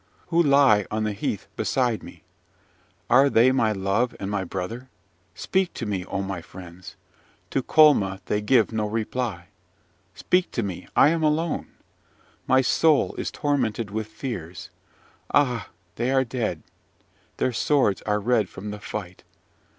"Who lie on the heath beside me? Are they my love and my brother? Speak to me, O my friends! To Colma they give no reply. Speak to me: I am alone! My soul is tormented with fears. Ah, they are dead! Their swords are red from the fight.